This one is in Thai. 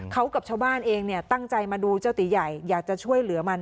เขากับชาวบ้านเองเนี่ยตั้งใจมาดูเจ้าตีใหญ่อยากจะช่วยเหลือมัน